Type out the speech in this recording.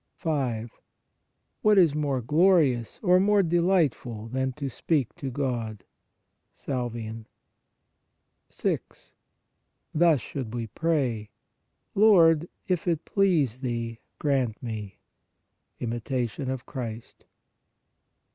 5. What is more glorious or more delightful than to speak to God (Salvian). 6. Thus should we pray: "Lord, if it please Thee, grant me ..." (Imitation of Christ).